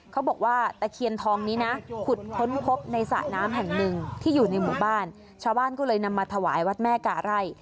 เขาบอกว่าตะเคียนทองนี้นะขุดค้นพบในสระน้ำแห่งหนึ่งที่อยู่ในหมู่บ้านชาวบ้านก็เลยนำมาถวายวัดแม่กาไร่